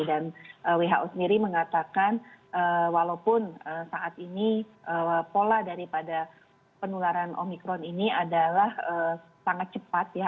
dan who sendiri mengatakan walaupun saat ini pola daripada penularan omikron ini adalah sangat cepat ya